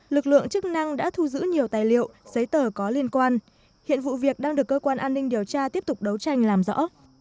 lực lượng chức năng đã thu giữ nhiều tài liệu giấy tờ có liên quan hiện vụ việc đang được cơ quan an ninh điều tra tiếp tục đấu tranh làm rõ